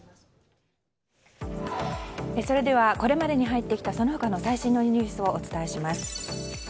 それではこれまでに入ってきたその他の最新のニュースをお伝えします。